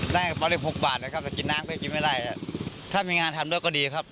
ได้มา๑๖บาทนะครับแต่กินน้ำก็กินไม่ได้ถ้ามีงานทำด้วยก็ดีครับ